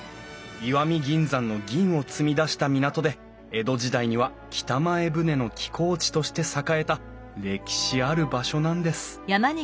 石見銀山の銀を積み出した港で江戸時代には北前船の寄港地として栄えた歴史ある場所なんですうん！